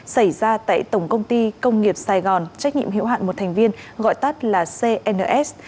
xảy ra tại tổng công ty công nghiệp sài gòn trách nhiệm hiệu hạn một thành viên gọi tắt là cns